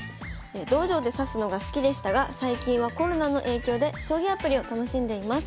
「道場で指すのが好きでしたが最近はコロナの影響で将棋アプリを楽しんでいます。